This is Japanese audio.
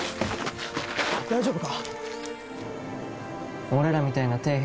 大丈夫か？